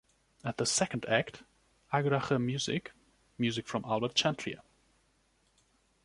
At the second act, Agrache music, music from Albert Chantrier.